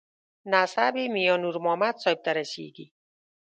نسب یې میانور محمد صاحب ته رسېږي.